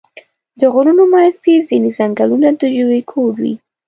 د غرونو منځ کې ځینې ځنګلونه د ژویو کور وي.